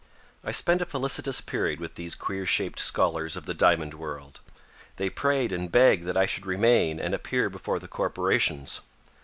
I spent a felicitous period with these queer shaped scholars of the Diamond World. They prayed and begged that I should remain and appear before the corporations.